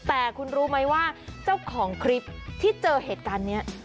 แต่คุณรู้ไหมว่าเจ้าของคลิปที่เจอเหตุการณ์นี้